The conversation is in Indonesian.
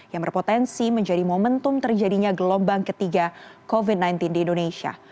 yang berpotensi menjadi momentum terjadinya gelombang ketiga covid sembilan belas di indonesia